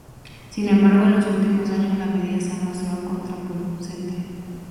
Sin embargo en los últimos años la medida se ha mostrado contraproducente.